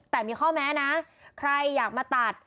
แต่มีข้อแม้นะใครอยากมาตัด